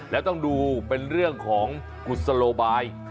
และต้องดูเป็นเรื่องของกุศลไปน์